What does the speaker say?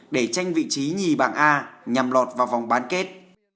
để tranh vị trí nhì bảng a nhằm lọt vào vòng bán kết